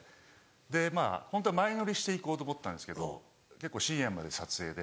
でまぁホントは前乗りして行こうと思ったんですけど結構深夜まで撮影で。